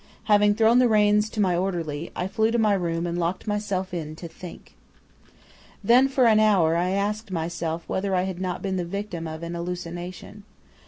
Having thrown the reins to my orderly, I flew to my room and locked myself in to think. "Then for an hour I asked myself whether I had not been the victim of an hallucination.